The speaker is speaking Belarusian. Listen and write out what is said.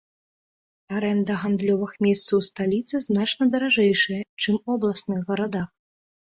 Арэнда гандлёвых месцаў у сталіцы значна даражэйшая, чым у абласных гарадах.